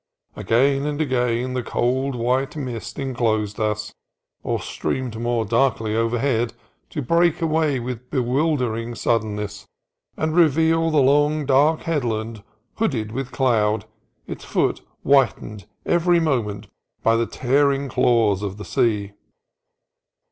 Again and again the cold white mist enclosed us, or streamed more darkly overhead, to break away with bewildering sudden ness and reveal the long, dark headland hooded with cloud, its foot whitened every moment by the tear ing claws of the sea.